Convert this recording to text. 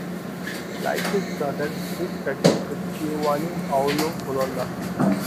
Like his brother, he studied with Giovanni Paolo Colonna.